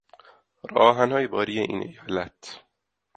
راه آهنهای باری این ایالت